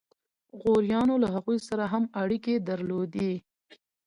غوریانو له هغوی سره هم اړیکې درلودې.